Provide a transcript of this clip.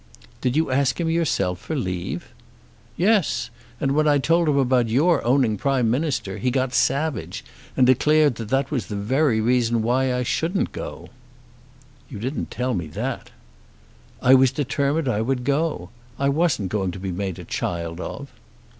"Did you ask him yourself for leave?" "Yes. And when I told him about your owning Prime Minister he got savage and declared that was the very reason why I shouldn't go." "You didn't tell me that." "I was determined I would go. I wasn't going to be made a child of."